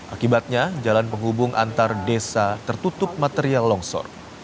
akibatnya jalan penghubung antar desa tertutup material longsor